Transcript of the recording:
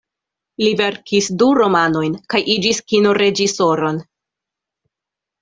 Li verkis du romanojn, kaj iĝis kino-reĝisoron.